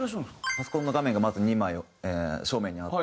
パソコンの画面がまず２枚正面にあって。